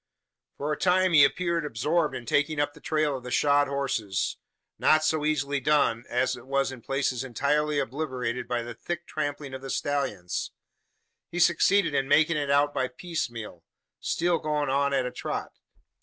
For a time he appeared absorbed in taking up the trail of the shod horses not so easily done, as it was in places entirely obliterated by the thick trampling of the stallions. He succeeded in making it out by piecemeal still going on at a trot.